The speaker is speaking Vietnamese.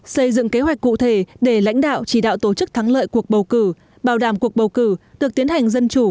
xây dựng kế hoạch cụ thể để lãnh đạo chỉ đạo tổ chức thắng lợi cuộc bầu cử bảo đảm cuộc bầu cử được tiến hành dân chủ